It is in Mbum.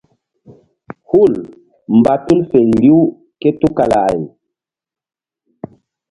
Hul mba tul feri riw ké tukala ay.